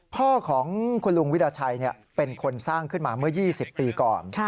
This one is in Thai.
พ่อของคุณลุงวิราชัยเป็นคนสร้างขึ้นมาเมื่อ๒๐ปีก่อน